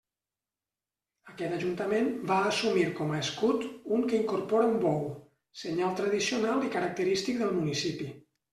Aquest Ajuntament va assumir com a escut un que incorpora un bou, senyal tradicional i característic del municipi.